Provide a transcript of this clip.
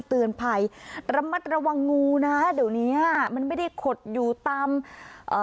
เตือนภัยระมัดระวังงูนะเดี๋ยวเนี้ยมันไม่ได้ขดอยู่ตามเอ่อ